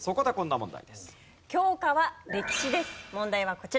問題はこちら。